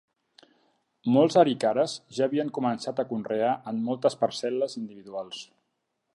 Molts arikares ja havien començat a conrear en moltes parcel·les individuals.